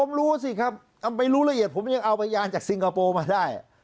ผมรู้สิครับไปรู้ละเอียดผมยังเอาพยานจากสิงคโปร์มาได้